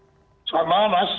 selamat malam mas